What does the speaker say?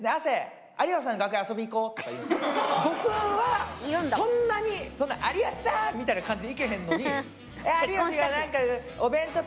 僕はそんなに。みたいな感じで行けへんのに。